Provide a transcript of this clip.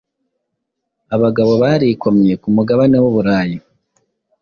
Abagabo barikomye kumugabanewuburayi